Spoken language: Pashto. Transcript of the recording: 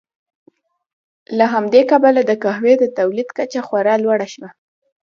له همدې کبله د قهوې د تولید کچه خورا لوړه شوه.